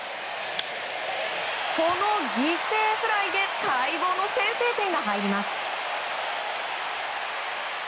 この犠牲フライで待望の先制点が入ります。